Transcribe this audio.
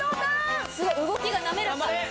すごい動きが滑らか。